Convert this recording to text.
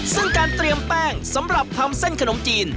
ซึ่งการเตรียมแป้งสำหรับทำเส้นขนมจีน